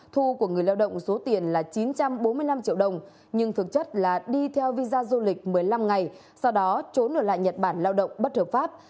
thu của người lao động số tiền là chín trăm bốn mươi năm triệu đồng nhưng thực chất là đi theo visa du lịch một mươi năm ngày sau đó trốn ở lại nhật bản lao động bất hợp pháp